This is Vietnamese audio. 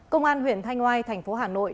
công an huyện thanh oai thành phố hà nội